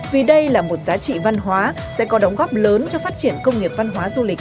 vì đây là một giá trị văn hóa sẽ có đóng góp lớn cho phát triển công nghiệp văn hóa du lịch ở nước ta